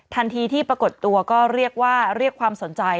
ที่ปรากฏตัวก็เรียกว่าเรียกความสนใจ